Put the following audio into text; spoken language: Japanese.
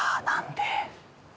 何で？